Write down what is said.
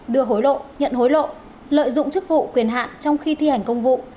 đưa hối lộ nhận hối lộ lợi dụng chức vụ quyền hạn trong khi thi hành công vụ